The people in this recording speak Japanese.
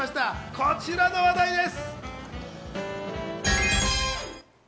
こちらの話題です。